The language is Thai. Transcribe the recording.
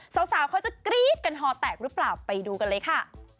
สาวเขาจะกรี๊ดกันฮอแตกหรือเปล่าไปดูกันเลยค่ะ